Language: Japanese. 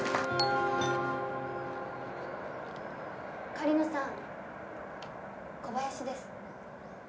狩野さん小林です。